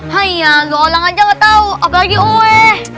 haiya lu orang aja gak tau apalagi uwe